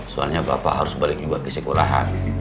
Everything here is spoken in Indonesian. soalnya bapak harus balik juga ke sekolahan